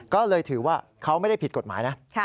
ก็เลยถือว่าเขาไม่ได้ผิดกฎหมายนะ